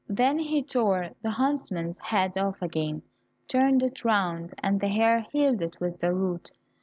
Then he tore the huntsman's head off again, turned it round, and the hare healed it with the root.